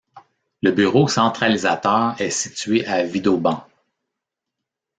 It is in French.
Le bureau centralisateur est situé à Vidauban.